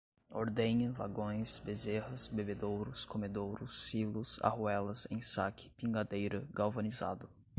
ordenha, vagões, bezerras, bebedouros, comedouros, silos, arruelas, ensaque, pingadeira, galvanizado